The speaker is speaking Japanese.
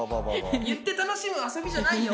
言って楽しむ遊びじゃないよ。